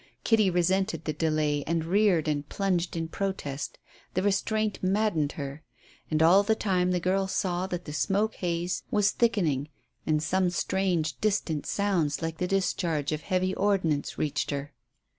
Kitty resented the delay and reared and plunged in protest The restraint maddened her. And all the time the girl saw that the smoke haze was thickening, and some strange distant sounds like the discharge of heavy ordnance reached her.